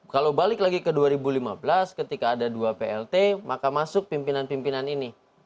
kalau balik lagi ke dua ribu lima belas ketika ada dua plt maka masuk pimpinan pimpinan ini